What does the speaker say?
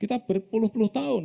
kita berpuluh puluh tahun